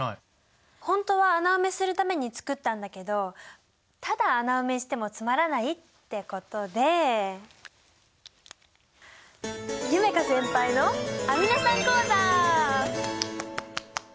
本当は穴埋めするために作ったんだけどただ穴埋めしてもつまらないってことでアミノ酸講座？